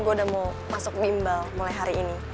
gue udah mau masuk mimbal mulai hari ini